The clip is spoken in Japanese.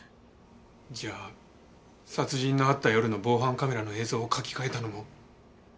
じゃあ殺人のあった夜の防犯カメラの映像を書き換えたのも。